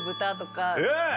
えっ！